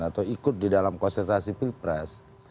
atau ikut di dalam konservasi pilpres